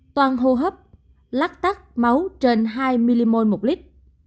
toàn hô hấp lắc tắc máu trên hai mmol một lít